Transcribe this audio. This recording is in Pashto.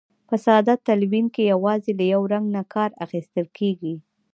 په ساده تلوین کې یوازې له یو رنګ نه کار اخیستل کیږي.